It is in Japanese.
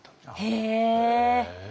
へえ。